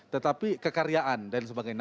tetapi kekaryaan dan sebagainya